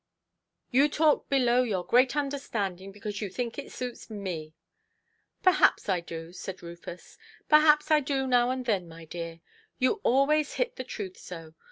You talk below your great understanding, because you think it suits me". "Perhaps I do", said Rufus, "perhaps I do now and then, my dear: you always hit the truth so.